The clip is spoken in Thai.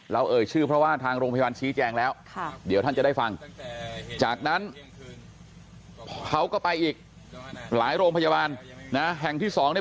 เอ่ยชื่อเพราะว่าทางโรงพยาบาลชี้แจงแล้วเดี๋ยวท่านจะได้ฟังจากนั้นเขาก็ไปอีกหลายโรงพยาบาลนะแห่งที่สองเนี่ย